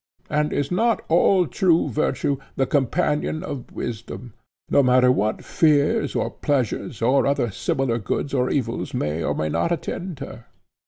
And is not all true virtue the companion of wisdom, no matter what fears or pleasures or other similar goods or evils may or may not attend her?